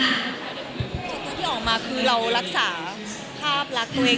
คือที่ออกมาคือเรารักษาภาพรักตัวเอง